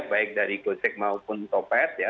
baik dari gojek maupun topet ya